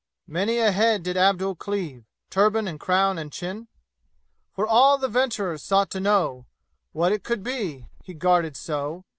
Many a head did Abdul cleave, Turban and crown and chin, For all the 'venturers sought to know What it could be he guarded so.